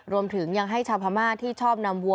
รวมถึงยังให้ชาวพม่าที่ชอบนำวัว